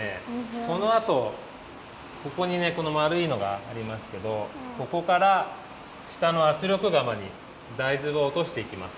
そのあとここにねこのまるいのがありますけどここからしたのあつりょくがまに大豆をおとしていきます。